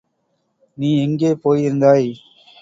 நீ எங்கே போயிருந்தாய்?